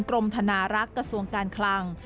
กรมธนารักษ์กระทรวงการคลัง